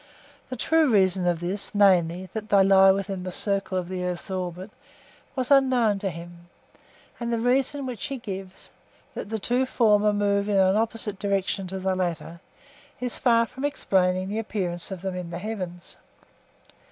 The true reason of this, namely, that they lie within the circle of the earth's orbit, was unknown to him, and the reason which he gives—that the two former move in an opposite direction to the latter—is far from explaining the appearance of them in the heavens.